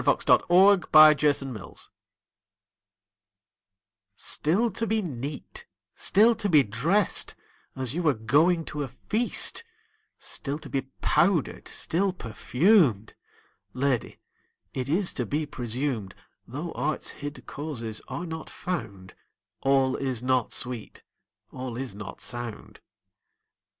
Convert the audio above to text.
Ben Jonson Clerimont's Song STILL to be neat, still to be dressed, As you were going to a feast; Still to be powdered, still perfumed; Lady, it is to be presumed, Though art's hid causes are not found, All is not sweet, all is not sound.